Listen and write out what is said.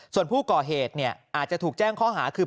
ส่วนผู้ก่อเหตุอาจจะถูกแจ้งข้อหาคือ